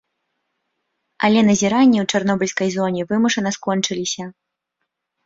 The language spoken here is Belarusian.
Але назіранні ў чарнобыльскай зоне вымушана скончыліся.